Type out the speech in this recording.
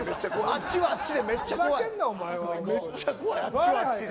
あっちはあっちでめっちゃ怖い。